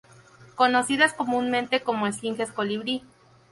Conocidas comúnmente como esfinges colibrí.